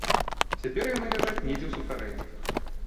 Цяпер яны ляжаць недзе ў сутарэннях.